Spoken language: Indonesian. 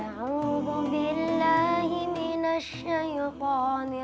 saya berdoa kepada tuhan dari tuhan yang maha maha